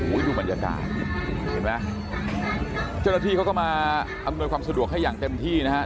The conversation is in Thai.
โอ้โหดูบรรยากาศเจ้าแรกที่เขาก็มาเอาอำนวยความสะดวกให้อย่างเต็มที่นะครับ